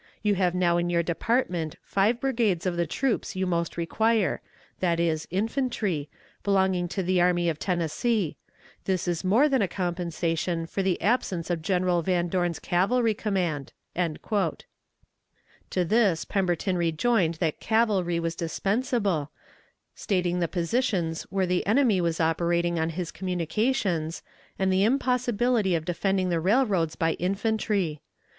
You have now in your department five brigades of the troops you most require, viz., infantry, belonging to the Army of Tennessee. This is more than a compensation for the absence of General Van Dorn's cavalry command." To this Pemberton rejoined that cavalry was dispensable, stating the positions where the enemy was operating on his communications, and the impossibility of defending the railroads by infantry.